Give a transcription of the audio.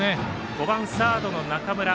５番サードの中村。